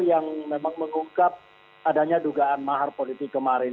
yang memang mengungkap adanya dugaan mahar politik kemarin